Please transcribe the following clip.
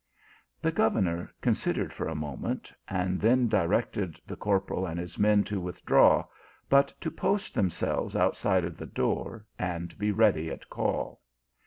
The governor considered for a moment, and then directed the corporal and his men to withdraw, but to post themselves outside of the door, and be ready at call.